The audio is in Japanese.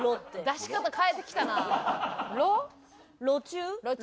出し方変えてきたな。